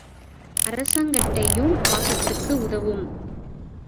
அரசங்கட்டையும் ஆபத்துக்கு உதவும்.